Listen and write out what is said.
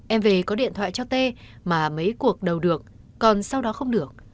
em về có điện thoại cho tê mà mấy cuộc đầu được còn sau đó không được